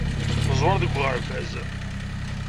Neẓwer deg uɣerbaz.